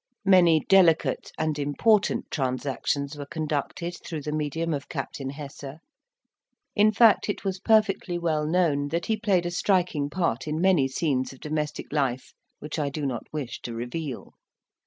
Many delicate and important transactions were conducted through the medium of Captain Hesse; in fact, it was perfectly well known that he played a striking part in many scenes of domestic life which I do not wish to reveal.